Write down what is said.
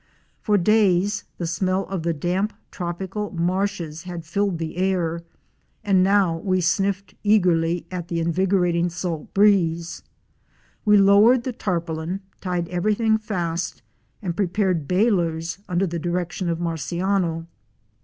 For days the smell of the damp tropical marshes had filled the air, and now we sniffed eagerly at the invigorating salt breeze. We lowered the tarpaulin, tied everything fast and prepared bailers under the direction of Marciano.